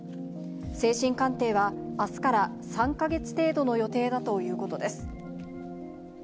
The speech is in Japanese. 精神鑑定はあすから３か月程度の予定だということです。